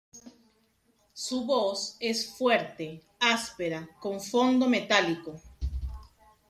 Su voz es fuerte, áspera, con fondo metálico.